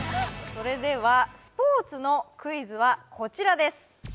それではスポーツのクイズはこちらです